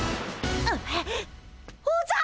おじゃる！